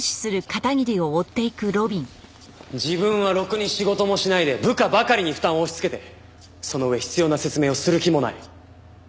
自分はろくに仕事もしないで部下ばかりに負担を押し付けてその上必要な説明をする気もない。